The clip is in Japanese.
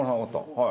はい。